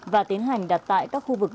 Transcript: và tiến hành đặt tại các khu vực